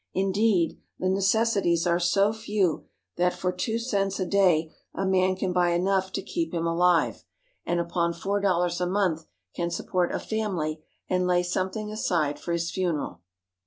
Indeed, the necessi ties are so few that for two cents a day a man can buy enough to keep him alive, and upon four dollars a month can support a family and lay something aside for his funeral.